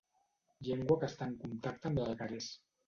Llengua que està en contacte amb l'alguerès.